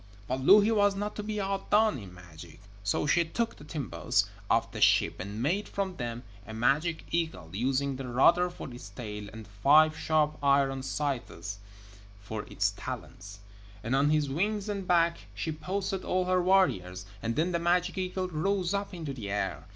But Louhi was not to be outdone in magic, so she took the timbers of the ship and made from them a magic eagle, using the rudder for its tail and five sharp iron scythes for its talons. And on his wings and back she posted all her warriors, and then the magic eagle rose up into the air.